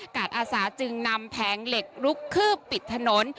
อาสาจึงนำแผงเหล็กลุกคืบปิดถนน